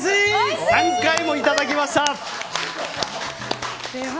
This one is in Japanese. ３回もいただきました。